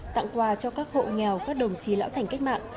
tặng quà cho các hộ nghèo các đồng chí lão thành cách mạng